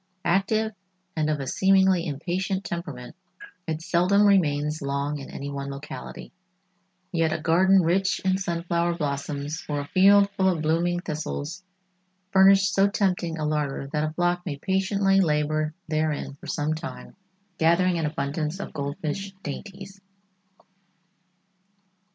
Active and of a seemingly impatient temperament, it seldom remains long in any one locality, yet a garden rich in sunflower blossoms or a field full of blooming thistles furnished so tempting a larder that a flock may patiently labor therein for some time, gathering an abundance of goldfinch dainties.